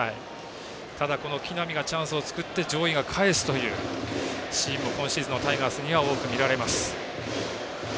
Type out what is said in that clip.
ただ木浪がチャンスを作って上位がかえすというシーンも今シーズンのタイガースには多くみられます。